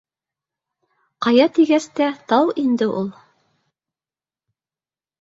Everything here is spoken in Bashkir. Ҡая тигәс тә, тау инде ул